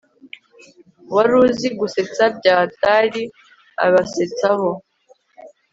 waruzi gusetsa byahatr abasetsaho